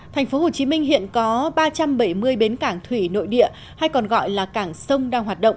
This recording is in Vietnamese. thành phố hồ chí minh hiện có ba trăm bảy mươi bến cảng thủy nội địa